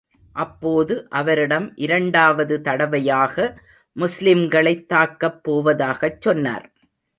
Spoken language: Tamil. அப்போது அவரிடம் இரண்டாவது தடவையாக முஸ்லிம்களைத் தாக்கப் போவதாகச் சொன்னார்.